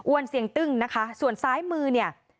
เสียงตึ้งนะคะส่วนซ้ายมือเนี่ย